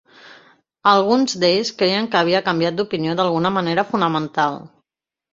Alguns d'ells creien que havia canviat d'opinió d'alguna manera fonamental.